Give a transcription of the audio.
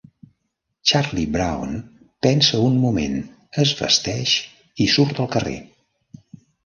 Charlie Brown pensa un moment, es vesteix i surt al carrer.